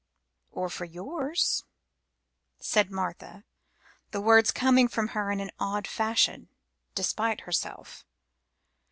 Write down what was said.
"Or for yours?" said Martha, the words coming from her in some odd fashion, despite herself.